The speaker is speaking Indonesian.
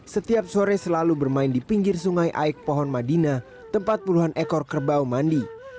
setiap sore selalu bermain di pinggir sungai aik pohon madinah tempat puluhan ekor kerbau mandi